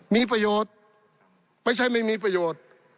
มีประโยชน์ไม่ใช่ไม่มีประโยชน์